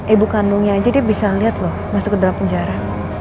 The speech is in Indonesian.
ibu kandungnya aja dia bisa lihat loh masuk ke dalam penjara